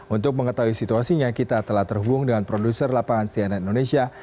untuk mengetahui situasinya kita telah terhubung dengan produser lapangan cnn indonesia